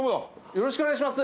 よろしくお願いします